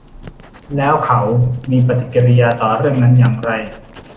แล้วเขามีปฏิกิริยาต่อเรื่องนั้นอย่างไร